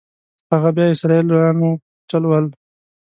هغه بیا اسرائیلیانو په چل ول.